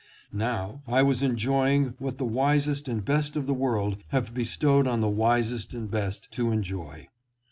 Now I was enjoying what the wisest and best of the world have bestowed for the wisest and best to enjoy.